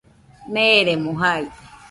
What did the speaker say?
Neeremo jaide.